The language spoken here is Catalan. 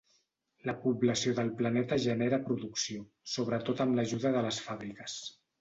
La població del planeta genera producció, sobretot amb l'ajuda de les fàbriques.